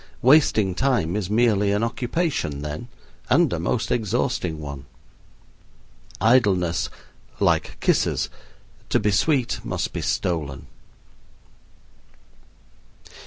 Wasting time is merely an occupation then, and a most exhausting one. Idleness, like kisses, to be sweet must be stolen.